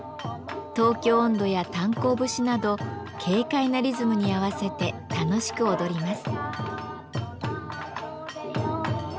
「東京音頭」や「炭坑節」など軽快なリズムに合わせて楽しく踊ります。